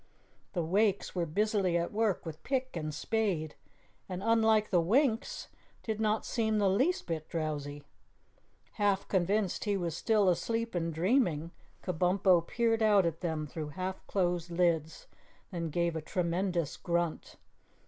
The Wakes were busily at work with pick and spade, and, unlike the Winks, did not seem the least bit drowsy. Half convinced he was still asleep and dreaming, Kabumpo peered out at them through half closed lids, then gave a tremendous grunt.